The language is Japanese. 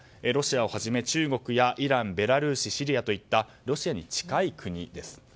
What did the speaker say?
ロシアをはじめ中国、イランベラルーシ、シリアといったロシアに近い国です。